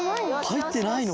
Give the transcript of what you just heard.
はいってないの？